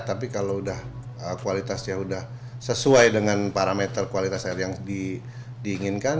tapi kalau kualitasnya sudah sesuai dengan parameter kualitas air yang diinginkan